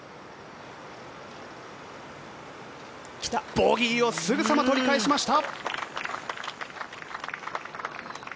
ボギーをすぐさま取り返しました。